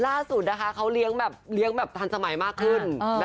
ล่าสุดนะคะเขาเลี้ยงแบบทันสมัยมากขึ้น